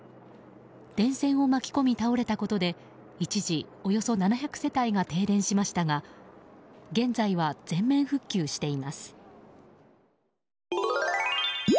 電線を巻き込み倒れたことで一時、およそ７００世帯が停電しましたが現在は全面復旧しています。